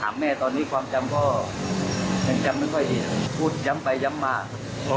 ก็ถามแม่ตอนนี้ความจำก็ยังจำไม่ค่อยดีนะครับ